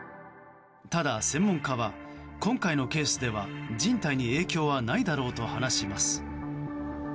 ただ、専門家は今回のケースでは人体に影響はないだろうと話します。